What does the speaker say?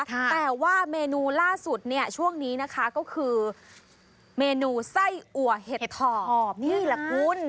แต่ว่าเมนูล่าสุดเนี่ยช่วงนี้นะคะก็คือเมนูไส้อัวเห็ดถอบนี่แหละคุณ